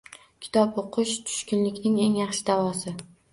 Kitob o‘qish – tushkunlikning eng yaxshi davosi.